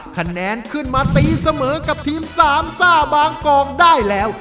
คะแนนขึ้นมาตีเสมอกับทีมสามซ่าบางกองได้แล้ว